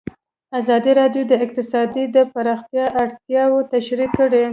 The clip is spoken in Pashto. ازادي راډیو د اقتصاد د پراختیا اړتیاوې تشریح کړي.